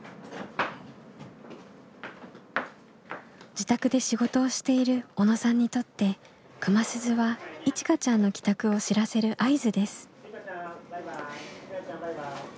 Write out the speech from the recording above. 自宅で仕事をしている小野さんにとって熊鈴はいちかちゃんの帰宅を知らせる合図です。